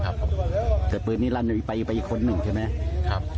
ครับแต่ปืนนี้ลั่นอยู่ไปไปอีกคนหนึ่งใช่ไหมครับ